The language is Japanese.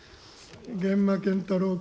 源馬謙太郎君。